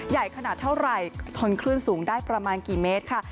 ใหญ่ขนาดเท่าไหร่ทนคลื่นสูงได้ประมาณกี่เมตรค่ะ